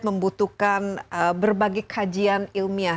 membutuhkan berbagai kajian ilmiah